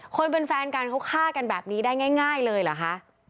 คนเป็นแฟนกันเขาฆ่ากันแบบนี้ได้ง่ายเลยเหรอคะ